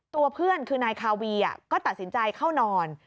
ตัวเพื่อนคือนายคาวีก็ตัดสินใจเข้านอน